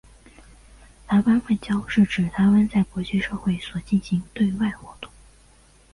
台湾外交是指台湾在国际社会所进行之对外活动。